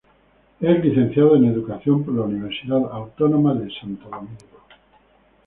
Es licenciada en Educación por la Universidad Autónoma de Santo Domingo.